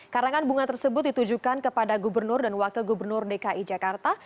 karangan bunga tersebut ditujukan kepada gubernur dan wakil gubernur dki jakarta